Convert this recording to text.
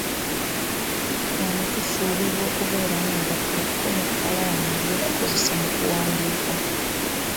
Wano tusuubirwa okubeera n'empapula ko n'ekkalamu eby'okukozesa mu kuwandiika.